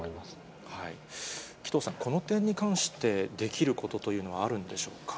紀藤さん、この点に関して、できることというのはあるんでしょうか。